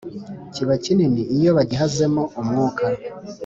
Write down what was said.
kiba kinini iyo bagihaze mo umwuka.